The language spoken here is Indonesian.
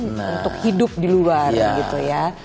untuk hidup di luar gitu ya